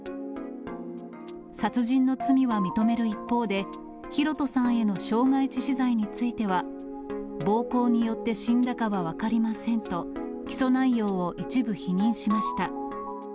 殺人の罪は認める一方で、大翔さんへの傷害致死罪については、暴行によって死んだかは分かりませんと、起訴内容を一部否認しました。